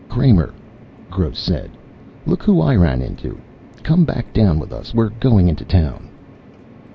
"Kramer," Gross said. "Look who I ran into. Come back down with us. We're going into town."